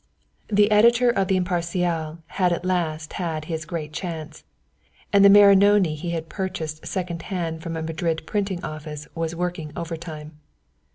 The editor of the Imparcial had at last had his great chance, and the Marinoni he had purchased second hand from a Madrid printing office was working overtime.